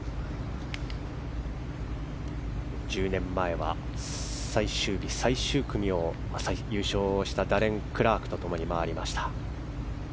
１０年前は最終日、最終組を優勝したダレン・クラークと共に回りました。